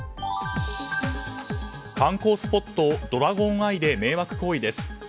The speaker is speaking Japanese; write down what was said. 観光スポットドラゴンアイで迷惑行為です。